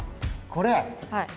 これ？